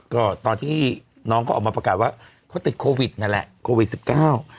ก็ตอนที่น้องเขาออกมาประกาศว่าเขาติดโควิดนั่นแหละโควิดสิบเก้า